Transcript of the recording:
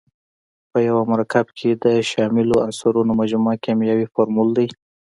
په یو مرکب کې د شاملو عنصرونو مجموعه کیمیاوي فورمول دی.